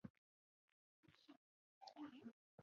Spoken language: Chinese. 林中拂子茅为禾本科拂子茅属下的一个变种。